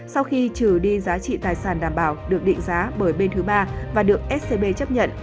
sau khi trừ đi giá trị tài sản đảm bảo được định giá bởi bên thứ ba và được scb chấp nhận